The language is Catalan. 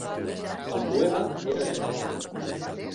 El poema era genial.